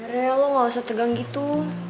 nih relo gak usah tegang gitu